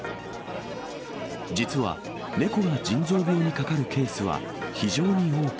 実は猫が腎臓病にかかるケースは非常に多く。